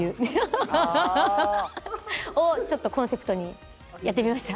「ああー！」をちょっとコンセプトにやってみました。